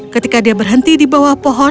ketika dia berhenti di bawah pohon